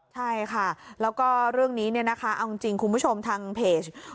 ใช่ค่ะแล้วก็เรื่องนี้เนี่ยนะคะเอาจริงคุณผู้ชมทางเพจ